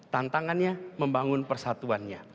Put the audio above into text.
tantangannya membangun persatuannya